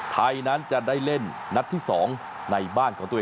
ไทยนั้นจะได้เล่นนัดที่๒ในบ้านของตัวเอง